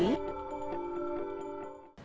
các doanh nghiệp